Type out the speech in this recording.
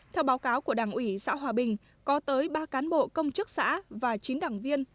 theo báo cáo của đảng ủy xã hòa bình có tới ba cán bộ công chức xã và chín đảng viên